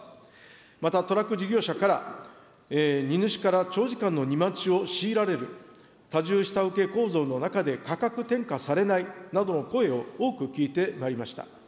またトラック事業者から荷主から長時間の荷待ちを強いられる多重下請け構造の中で価格転嫁されないなどの声を多く聞いてまいりました。